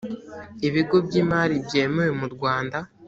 ibigo by imari byemewe mu rwanda